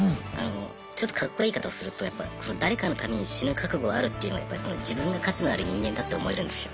ちょっとカッコいい言い方をすると誰かのために死ぬ覚悟あるっていうのは自分が価値のある人間だって思えるんですよ。